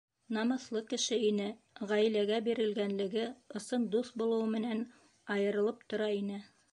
Намыҫлы кеше ине, ғаиләгә бирелгәнлеге, ысын дуҫ булыуы менән айырылып тора ине.